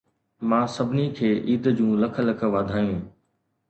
مان سڀني کي عيد جون لک لک واڌايون